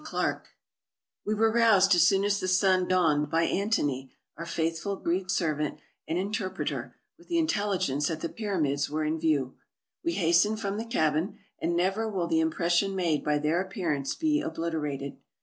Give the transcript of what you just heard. CLARKE WE were roused as soon as the sun dawned by Antony, our faithful Greek servant and interpreter, with the intelligence that the Pyramids were in view. We hastened from the cabin ; and never will the impression made by their appearance be obliterated.